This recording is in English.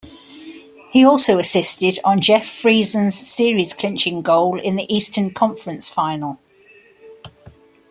He also assisted on Jeff Friesen's series clinching goal in the Eastern Conference Final.